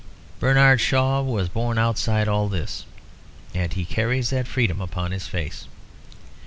Bernard Shaw was born outside all this; and he carries that freedom upon his face.